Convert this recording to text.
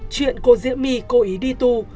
chuyện cô diễm my cố ý đi tu